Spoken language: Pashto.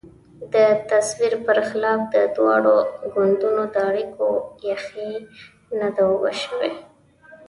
د تصور پر خلاف د دواړو ګوندونو د اړیکو یخۍ نه ده اوبه شوې.